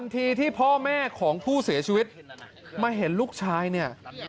ทีที่พ่อแม่ของผู้เสียชีวิตมาเห็นลูกชายเนี่ย